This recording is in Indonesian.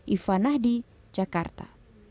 iva nahdi jakarta